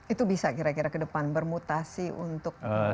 itu bisa kira kira ke depan bermutasi untuk